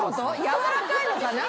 やわらかいのかな？